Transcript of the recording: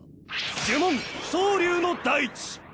呪文蒼龍の大地。